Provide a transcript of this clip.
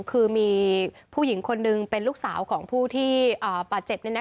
คือมีผู้หญิงคนนึงเป็นลูกสาวของผู้ที่บาดเจ็บ